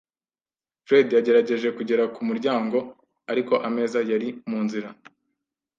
Fred yagerageje kugera ku muryango, ariko ameza yari mu nzira.